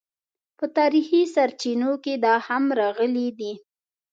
په تاریخي سرچینو کې دا هم راغلي دي.